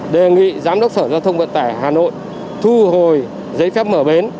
đề nghị giám đốc sở giao thông vận tải hà nội thu hồi giấy phép mở bến